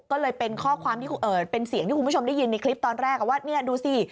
ก็เลยเป็นเสียงที่คุณผู้ชมได้ยินว่าเนี่ยดูสิ